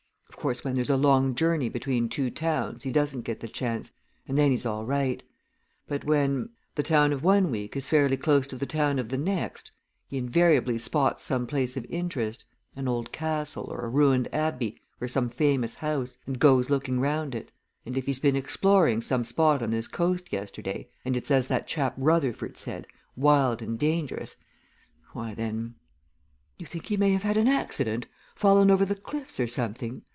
Of course when there's a long journey between two towns, he doesn't get the chance, and then he's all right. But when, as in this case, the town of one week is fairly close to the town of the next, he invariably spots some place of interest, an old castle, or a ruined abbey, or some famous house, and goes looking round it. And if he's been exploring some spot on this coast yesterday, and it's as that chap Rutherford said, wild and dangerous, why, then " "You think he may have had an accident fallen over the cliffs or something?"